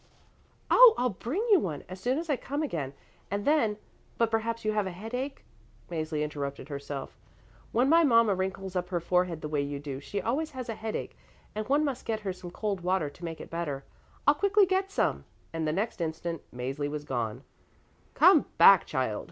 "Oh, I'll bring you one, as soon as I come again. And then but perhaps you have a headache?" Mäzli interrupted herself. "When my mama wrinkles up her forehead the way you do she always has a headache, and one must get her some cold water to make it better. I'll quickly get some," and the next instant Mäzli was gone. "Come back, child!"